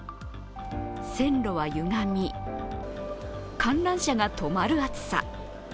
線路はゆがみ、観覧車が止まる暑さ。